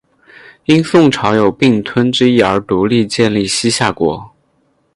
因宋朝有并吞之意而独立建立西夏国。